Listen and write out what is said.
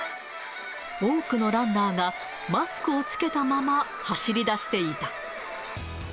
多くのランナーがマスクを着けたまま走りだしていた。